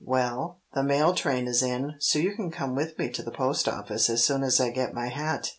Well, the mail train is in, so you can come with me to the post office as soon as I get my hat."